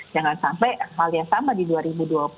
jangan sampai hal yang sama di dua ribu dua puluh